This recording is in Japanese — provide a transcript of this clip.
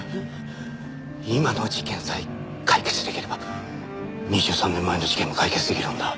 今の事件さえ解決出来れば２３年前の事件も解決出来るんだ。